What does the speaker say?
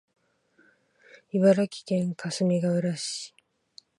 茨城県かすみがうら市